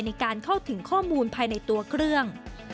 ในการเข้าถึงข้อมูลภายในตัวเครื่อง